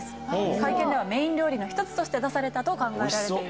会見ではメイン料理の一つとして出されたと考えられています。